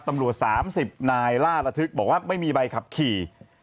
ตำรวจ๓๐นายล่าระทึกบอกว่าไม่มีใบขับขี่